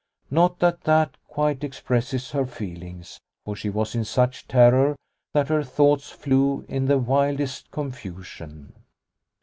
Not that that quite expresses her feelings, for she was in such terror that her thoughts flew in the wildest confusion.